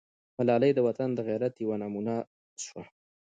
ملالۍ د وطن د غیرت یوه نمونه سوه.